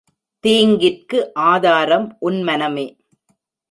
தீங்கிற்கு ஆதாரம் உன் மனமே.